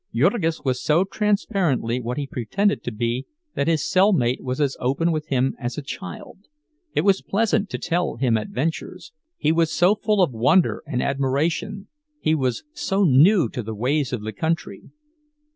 Jurgis was so transparently what he pretended to be that his cell mate was as open with him as a child; it was pleasant to tell him adventures, he was so full of wonder and admiration, he was so new to the ways of the country.